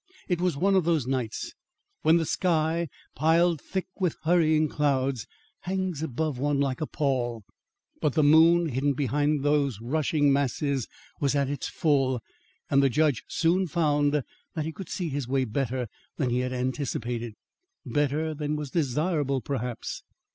It was one of those nights when the sky, piled thick with hurrying clouds, hangs above one like a pall. But the moon, hidden behind these rushing masses, was at its full, and the judge soon found that he could see his way better than he had anticipated better than was desirable, perhaps.